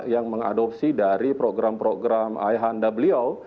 yang mengadopsi dari program program ihwo